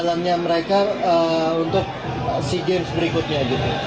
jalannya mereka untuk si games berikutnya